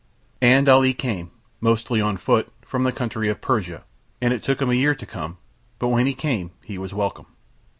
And Ali came, mostly on foot, from the country of Persia, and it took him a year to come; but when he came he was welcome.